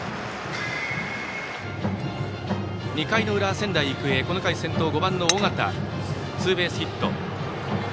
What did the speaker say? ２回の裏、仙台育英この回先頭、５番の尾形はツーベースヒット。